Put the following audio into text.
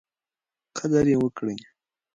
قدر یې وکړئ.